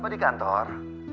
papa di kantor